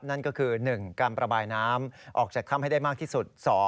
นั่นก็คือ๑การประบายน้ำออกจากถ้ำให้ได้มากที่สุด